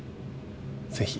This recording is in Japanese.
ぜひ。